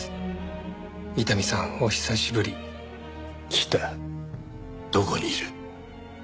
北どこにいる？